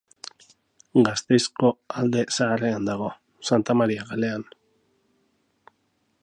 Gasteizko Alde Zaharrean dago, Santa Maria kalean.